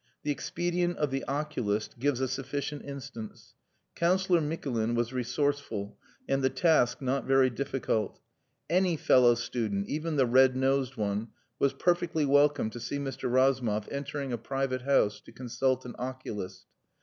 The expedient of the oculist gives a sufficient instance. Councillor Mikulin was resourceful, and the task not very difficult. Any fellow student, even the red nosed one, was perfectly welcome to see Mr. Razumov entering a private house to consult an oculist.